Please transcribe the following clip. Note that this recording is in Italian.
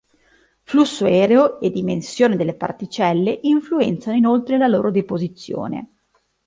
Flusso aereo e dimensione delle particelle influenzano inoltre la loro deposizione.